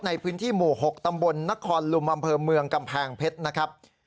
ในพื้นที่หมู่๖ตำบลนครลุมอำเภอเมืองกำแพงเพชรนะครับ